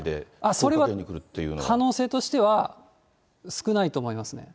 それは可能性としては少ないと思います。